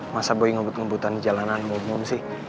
masa boy ngebut ngebutan jalanan umum sih